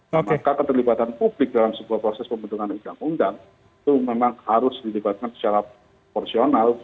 nah maka keterlibatan publik dalam sebuah proses pembentukan undang undang itu memang harus dilibatkan secara porsional